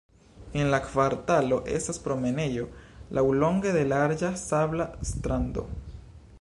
En la kvartalo estas promenejo laŭlonge de larĝa sabla strando.